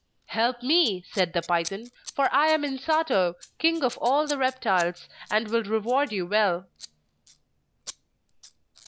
'Help me,' said the python, 'for I am Insato, King of all the Reptiles, and will reward you well!